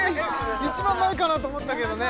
一番ないかなと思ったけどね